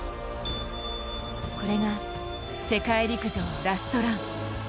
これが、世界陸上ラストラン。